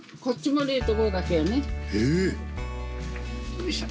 よいしょ。